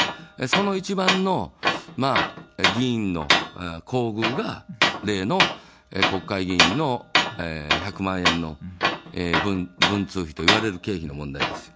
その一番の議員の厚遇が、例の国会議員の１００万円の文通費といわれる経費の問題です。